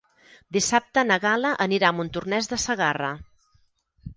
Dissabte na Gal·la anirà a Montornès de Segarra.